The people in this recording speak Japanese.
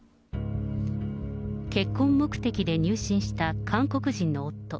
結婚目的で入信した韓国人の夫。